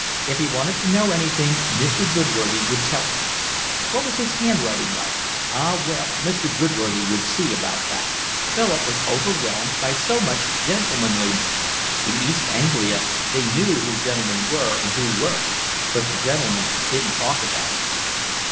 If he wanted to know anything Mr. Goodworthy would tell him. What was his handwriting like? Ah well, Mr. Goodworthy would see about that. Philip was overwhelmed by so much gentlemanliness: in East Anglia they knew who were gentlemen and who weren't, but the gentlemen didn't talk about it.